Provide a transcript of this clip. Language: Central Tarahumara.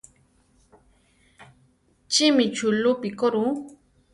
Chimi chulúpi koru?